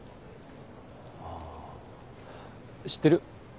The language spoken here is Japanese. あぁ知ってる？